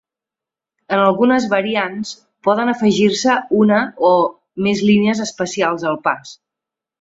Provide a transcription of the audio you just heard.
En algunes variants poden afegir-se una o més línies especials al pas.